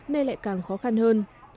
nên lại càng khó khăn hơn